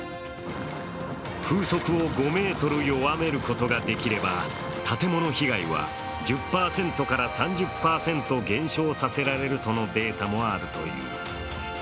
風速を５メートル弱めることができれば建物被害は１０％から３０％減少させられるとのデータもあるという。